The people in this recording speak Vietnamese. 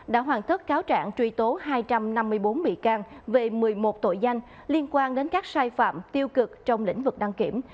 đã hoàn thất cáo trạng truy tố hai trăm năm mươi bốn bị can về một mươi một tội danh liên quan đến các sai phạm tiêu cực trong lĩnh vực đăng kiểm